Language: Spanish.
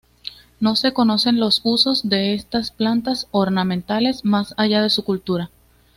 No se conocen los usos de estas plantas ornamentales más allá de su cultura.